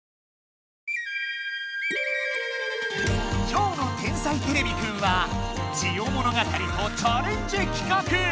今日の「天才てれびくん」は「ジオ物語」とチャレンジ企画！